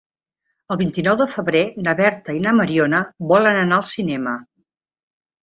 El vint-i-nou de febrer na Berta i na Mariona volen anar al cinema.